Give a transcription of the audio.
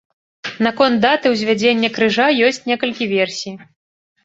Наконт даты ўзвядзення крыжа ёсць некалькі версій.